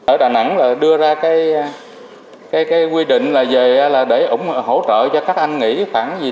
ở đà nẵng đưa ra quy định là để hỗ trợ cho các anh nghỉ